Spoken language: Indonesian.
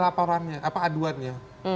laporannya apa aduannya